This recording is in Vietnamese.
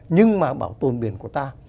nhưng mà bảo tồn biển của ta